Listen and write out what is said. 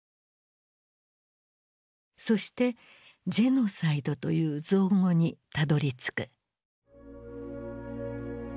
そして「ジェノサイド」という造語にたどりつく。